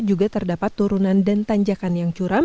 juga terdapat turunan dan tanjakan yang curam